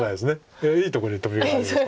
いやいいところにトビがあります。